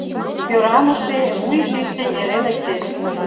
Кӧраныше, вуй шийше эре лектеш.